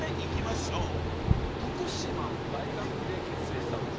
徳島の大学で結成したんですけど。